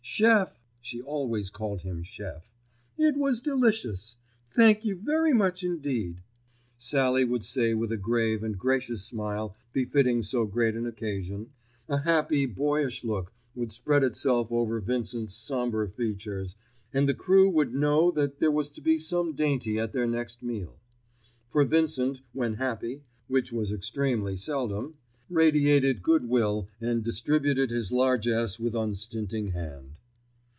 "Chef"; (she always called him "chef") "it was delicious! Thank you very much indeed," Sallie would say with a grave and gracious smile befitting so great an occasion, a happy, boyish look would spread itself over Vincent's sombre features, and the crew would know that there was to be some dainty at their next meal; for Vincent, when happy, which was extremely seldom, radiated good will and distributed his largess with unstinting hand.